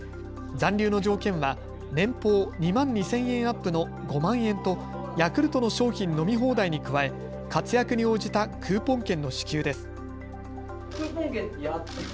残留の条件は年俸２万２０００円アップの５万円とヤクルトの商品飲み放題に加え、活躍に応じたクーポン券の支給です。